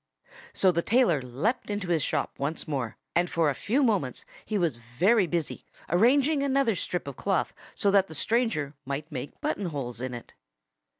So the tailor leaped into his shop once more. And for a few moments he was very busy, arranging another strip of cloth so that the stranger might make button holes in it.